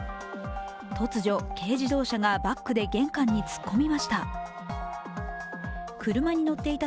突如、軽自動車がバックで玄関に突っ込みました。